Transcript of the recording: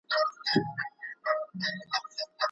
د قافیې په علم پوهېدل ډېر مهم دي.